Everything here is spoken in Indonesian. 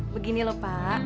begini lho pak